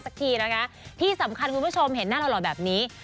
สักทีนะคะที่สำคัญคุณผู้ชมเห็นหน้าหล่อแบบนี้